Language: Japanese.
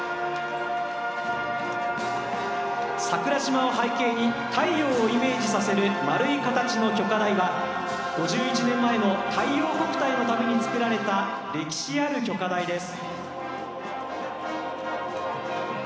桜島を背景に太陽をイメージさせる丸い形の炬火台は５１年前の太陽国体のために作られた歴史ある炬火台です。